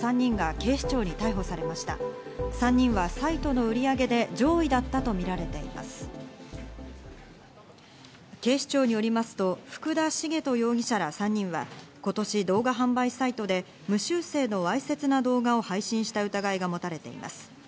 警視庁によりますと、福田茂人容疑者ら３人は今年、動画販売サイトで無修正のわいせつな動画を配信した疑いがもたれています。